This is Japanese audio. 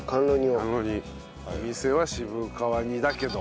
お店は渋皮煮だけど。